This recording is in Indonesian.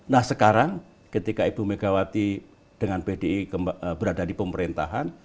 nah sekarang ketika ibu megawati dengan pdi berada di pemerintahan